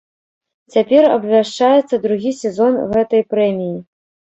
Цяпер абвяшчаецца другі сезон гэтай прэміі.